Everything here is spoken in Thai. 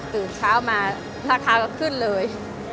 ตื่นเช้ามาราคาก็ขึ้นเลย